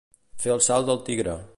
Fer el salt del tigre.